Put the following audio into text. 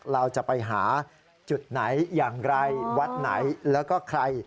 เราจะไปหาจุดไหนอย่างไรวัดไหนแล้วก็ใคร